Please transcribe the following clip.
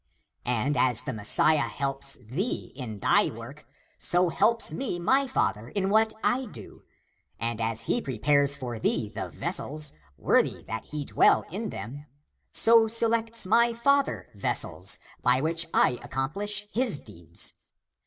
And as the Messiah helps thee in thy work, so helps me my father in that which I do. And as he pre pares for thee the vessels, worthy that he dwell in them, so selects he (my father) vessels, by which I accomplish his deeds.